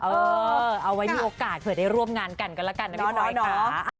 เอาไว้มีโอกาสเผื่อได้ร่วมงานกันกันแล้วกันนะพี่น้อยค่ะ